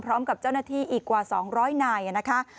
พร้อมกับเจ้าหน้าที่อีกกว่า๒๐๐นายนะคะ